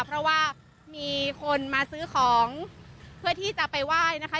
เพราะว่ามีคนมาซื้อของเพื่อที่จะไปไหว้นะคะ